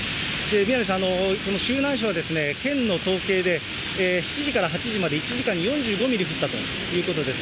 宮根さん、この周南市は県の統計で７時から８時まで、１時間に４５ミリ降ったということです。